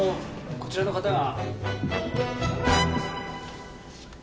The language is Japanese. こちらの方が。